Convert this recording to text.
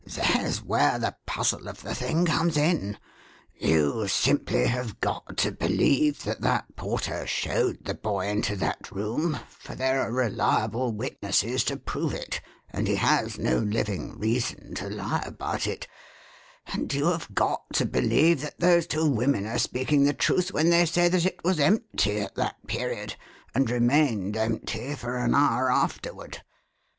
There's where the puzzle of the thing comes in. You simply have got to believe that that porter showed the boy into that room, for there are reliable witnesses to prove it, and he has no living reason to lie about it; and you have got to believe that those two women are speaking the truth when they say that it was empty at that period and remained empty for an hour afterward.